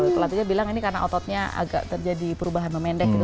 pelatihnya bilang ini karena ototnya agak terjadi perubahan memendek gitu